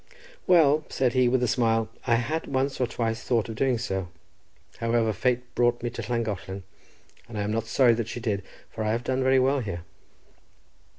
"Well," said he, with a smile, "I had once or twice thought of doing so. However, fate brought me to Llangollen, and I am not sorry that she did, for I have done very well here."